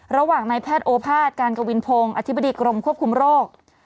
ระหว่างนายแพทย์โอภาษย์การกวินพงศ์อธิบดีกรมควบคุมโรค